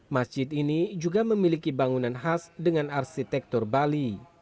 masjid ini juga memiliki bangunan khas dengan arsitektur bali